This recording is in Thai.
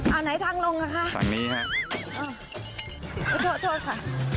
อ่าไหนทางลงค่ะคะทางนี้ค่ะโอ๊ยโทษค่ะ